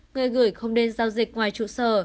người gửi không nên giao dịch ngoài trụ sở